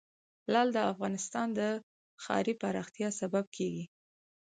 لعل د افغانستان د ښاري پراختیا سبب کېږي.